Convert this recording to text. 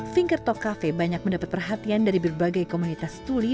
fingertalk cafe banyak mendapat perhatian dari berbagai komunitas tuli